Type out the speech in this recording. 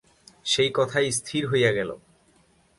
সেই কথাই স্থির হইয়া গেল।